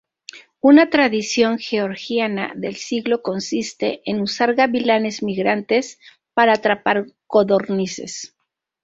Una tradición georgiana del siglo consiste en usar gavilanes migrantes para atrapar codornices.